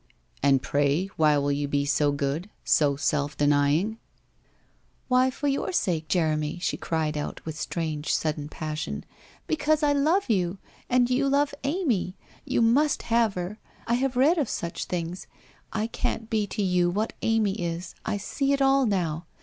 ' And pray why will you be so good, so self denying ?'' Why, for your sake, Jeremy,' she cried out, with strange sudden passion. ' Because I love you, and you love Amy. WHITE ROSE OF WEARY LEAF 421 You must have her. I have read of such things. I can't be to you what Amy is, I see it all now.